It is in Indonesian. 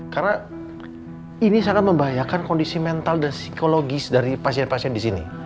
karena ini sangat membahayakan kondisi mental dan psikologis dari pasien pasien di sini